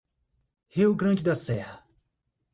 Rio Grande da Serra